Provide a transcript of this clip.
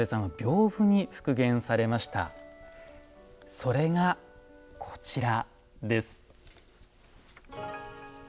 それがこちらです。